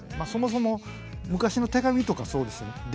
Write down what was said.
そもそも昔の手紙とかそうですよね。